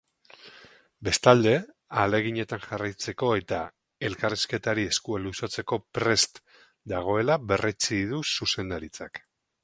Bestalde, ahaleginetan jarraitzeko eta elkarrizketari eskua luzatzeko prest dagoela berretsi du zuzendaritzak.